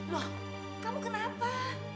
loh kamu kenapa